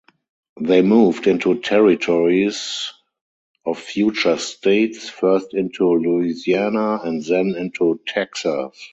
They moved into territories of future states, first into Louisiana and then into Texas.